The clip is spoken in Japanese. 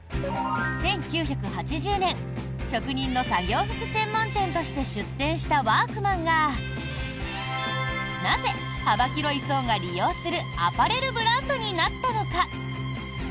１９８０年職人の作業服専門店として出店したワークマンがなぜ、幅広い層が利用するアパレルブランドになったのか。